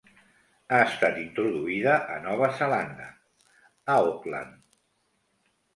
Ha estat introduïda a Nova Zelanda, a Auckland.